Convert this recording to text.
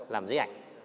làm giấy ảnh